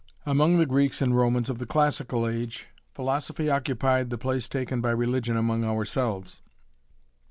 Among the Greeks and Romans of the classical age philosophy occupied the place taken by religion among ourselves.